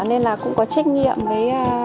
nên là cũng có trách nhiệm với